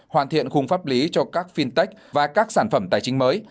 hoàn thiện khung pháp lý cho các fintech và các sản phẩm tài chính mới